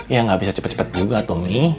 ya gak bisa cepet cepet juga tommy